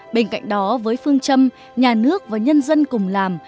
bên cạnh đó với phương châm nhà nước và nhân dân cùng làm